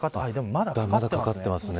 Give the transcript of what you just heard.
まだ、かかってますね。